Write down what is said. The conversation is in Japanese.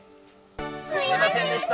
すいませんでした！